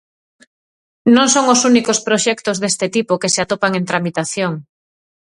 Non son os únicos proxectos deste tipo que se atopan en tramitación.